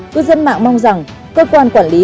cư dân mạng mong rằng cơ quan quản lý